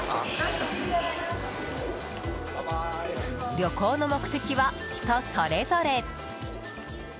旅行の目的は、人それぞれ。